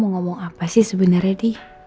jangan mio hukum perhatiin diri sama emily